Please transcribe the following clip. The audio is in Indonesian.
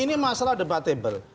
ini masalah debatable